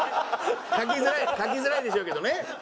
書きづらい書きづらいでしょうけどね。